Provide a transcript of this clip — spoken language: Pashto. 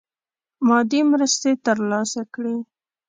مادي مرستي تر لاسه کړي.